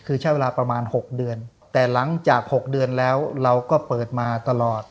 คือใช้เวลาประมาณ๖เดือนแต่หลังจาก๖เดือนแล้วเราก็เปิดมาตลอด